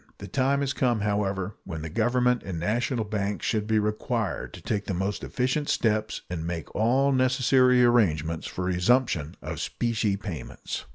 The time has come, however, when the Government and national banks should be required to take the most efficient steps and make all necessary arrangements for a resumption of specie payments.